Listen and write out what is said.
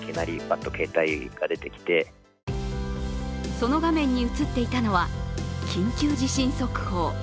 その画面に映っていたのは緊急地震速報。